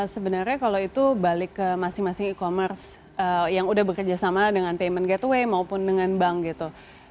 sebenarnya kalau itu balik ke masing masing e commerce yang udah bekerja sama dengan payment gateway maupun dengan bank gitu